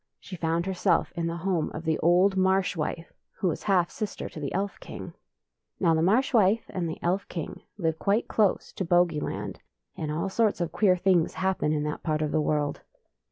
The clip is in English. She found herself in the home of the old Marsh wife,, who is half sister to the Elf king. Now the Marsh wife and the Elf king live quite close to Bogey land, and all sorts of queer things happen in that part of the world.